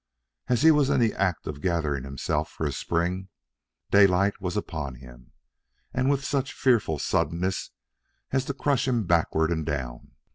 As he was in the act of gathering himself for a spring, Daylight was upon him, and with such fearful suddenness as to crush him backward and down.